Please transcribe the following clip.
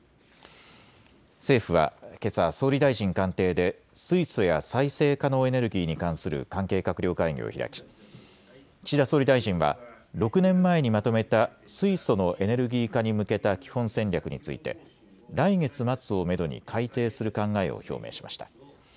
政府はけさ総理大臣官邸で水素や再生可能エネルギーに関する関係閣僚会議を開き岸田総理大臣は６年前にまとめた水素のエネルギー化に向けた基本戦略について来月末をめどに改定する考えを表明しました。